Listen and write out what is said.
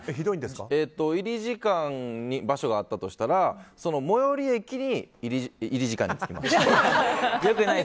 入り時間での場所があったとしたら最寄り駅に入り時間につきます。